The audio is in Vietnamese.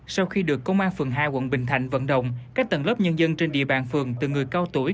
sau khi được công an phường hai quận bình thạnh vận động các tầng lớp nhân dân trên địa bàn phường từ người cao tuổi